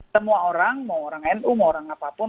semua orang mau orang nu mau orang apapun